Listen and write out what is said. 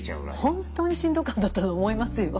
本当にしんどかったんだと思いますよ。